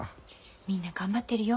みんな頑張ってるよ。